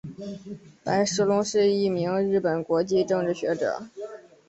白石隆是一名日本国际政治学者。